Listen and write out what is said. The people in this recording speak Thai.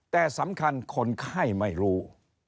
แต่สำคัญคนไข้ไม่รู้